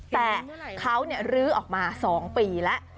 แต่เขาลื้อออกมา๒ปีแล้ว